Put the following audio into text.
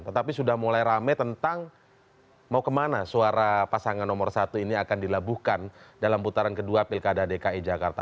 tetapi sudah mulai rame tentang mau kemana suara pasangan nomor satu ini akan dilabuhkan dalam putaran kedua pilkada dki jakarta